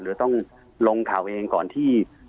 หรือต้องลงข่าวเองก่อนที่